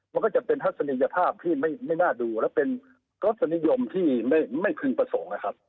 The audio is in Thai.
มันก็เป็นธัศนียภาพที่ไม่น่าดูและเป็นการรสนุยมที่ไม่คืนประสงค์